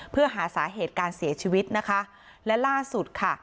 เพื่อหาสาเหตุการเสียชีวิตนะคะและล่าสุดค่ะ